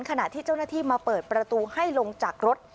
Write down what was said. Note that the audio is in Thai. ขณะที่เจ้าหน้าที่มาเปิดประตูให้ลงจากรถ